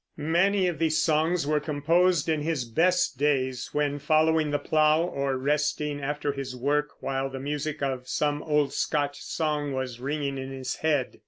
Many of these songs were composed in his best days, when following the plow or resting after his work, while the music of some old Scotch song was ringing in his head.